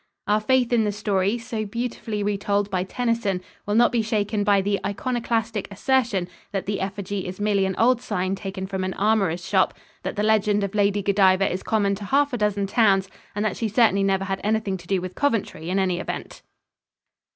Our faith in the story, so beautifully re told by Tennyson, will not be shaken by the iconoclastic assertion that the effigy is merely an old sign taken from an armourer's shop; that the legend of Lady Godiva is common to half a dozen towns; and that she certainly never had anything to do with Coventry, in any event.